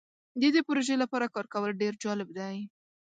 د دې پروژې لپاره کار کول ډیر جالب دی.